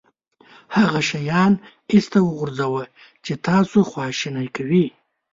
هغه شیان ایسته وغورځوه چې تاسو خواشینی کوي.